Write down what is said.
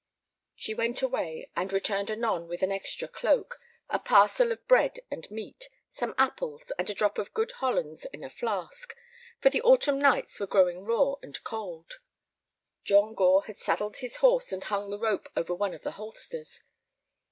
She went away, and returned anon with an extra cloak, a parcel of bread and meat, some apples, and a drop of good hollands in a flask, for the autumn nights were growing raw and cold. John Gore had saddled his horse and hung the rope over one of the holsters.